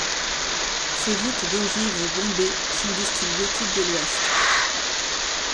Ses voûtes d'ogives bombées sont du style gothique de l'ouest.